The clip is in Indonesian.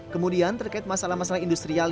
kemudian terkait masalah masalah industrial